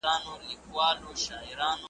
یو انار او سل بیمار .